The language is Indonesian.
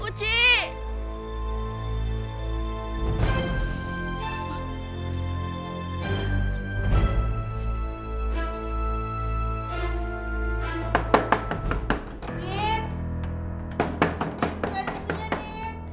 uci beri imbalannya nek